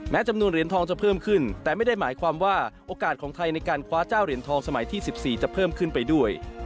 จำนวนเหรียญทองจะเพิ่มขึ้นแต่ไม่ได้หมายความว่าโอกาสของไทยในการคว้าเจ้าเหรียญทองสมัยที่๑๔จะเพิ่มขึ้นไปด้วย